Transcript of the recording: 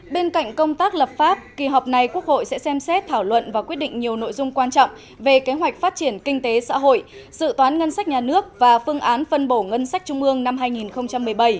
bên cạnh công tác lập pháp kỳ họp này quốc hội sẽ xem xét thảo luận và quyết định nhiều nội dung quan trọng về kế hoạch phát triển kinh tế xã hội dự toán ngân sách nhà nước và phương án phân bổ ngân sách trung ương năm hai nghìn một mươi bảy